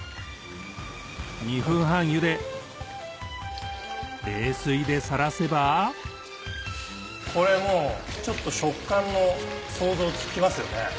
２分半ゆで冷水でさらせばこれもうちょっと食感の想像つきますよね。